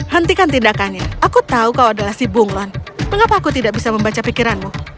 hentikan tindakannya aku tahu kau adalah si bunglon mengapa aku tidak bisa membaca pikiranmu